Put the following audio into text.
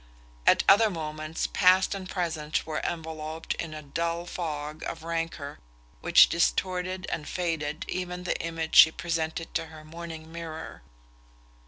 At other moments past and present were enveloped in a dull fog of rancour which distorted and faded even the image she presented to her morning mirror.